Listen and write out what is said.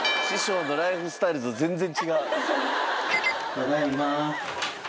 ただいま。